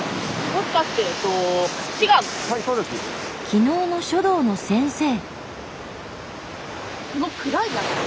昨日の書道の先生。